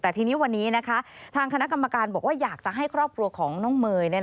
แต่ทีนี้วันนี้นะคะทางคณะกรรมการบอกว่าอยากจะให้ครอบครัวของน้องเมย์